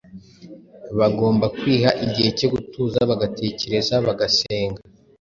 Bagomba kwiha igihe cyo gutuza bagatekereza, bagasenga